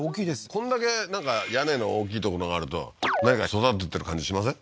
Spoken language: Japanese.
こんだけ屋根の大きい所があると何か育ててる感じしません？